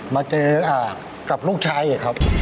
มาเจอกับลูกชายครับ